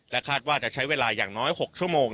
คาดว่าจะใช้เวลาอย่างน้อย๖ชั่วโมง